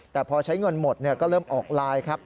แต่พอใช้เงินหมดก็เริ่มออกไลน์ครับ